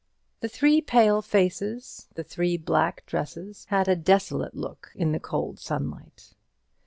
The three pale faces, the three black dresses, had a desolate look in the cold sunlight.